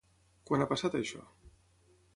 Quan ha passat això?